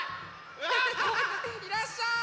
いらっしゃい！